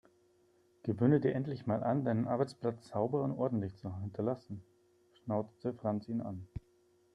"Gewöhne dir endlich mal an, deinen Arbeitsplatz sauber und ordentlich zu hinterlassen", schnauzte Franz ihn an.